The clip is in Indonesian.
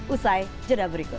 usai jeda berikut